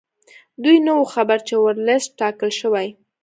دوی نه وو خبر چې ورلسټ ټاکل شوی.